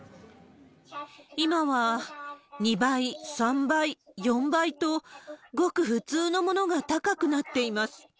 今は２倍、３倍、４倍と、ごく普通の物が高くなっています。